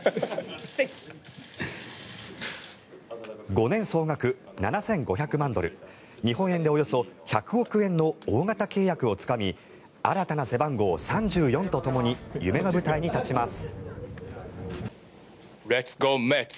５年総額７５００万ドル日本円でおよそ１００億円の大型契約をつかみ新たな背番号３４とともに夢の舞台に立ちます。